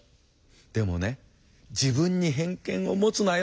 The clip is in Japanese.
でもね自分に偏見を持つなよ」